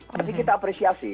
tapi kita apresiasi